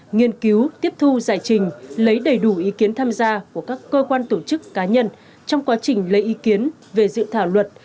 nghiên cứu tiếp thu giải trình lấy đầy đủ ý kiến tham gia của các cơ quan tổ chức cá nhân trong quá trình lấy ý kiến về dự thảo luật